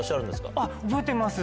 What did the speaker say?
あっ、覚えてます。